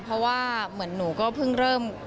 เพราะว่าเหมือนหนูก็เพิ่งเริ่ม